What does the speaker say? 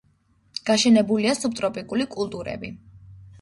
გაშენებულია სუბტროპიკული კულტურები.